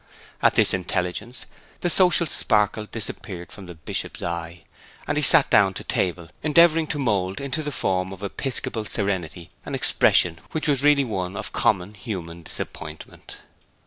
At this intelligence the social sparkle disappeared from the Bishop's eye, and he sat down to table, endeavouring to mould into the form of episcopal serenity an expression which was really one of common human disappointment.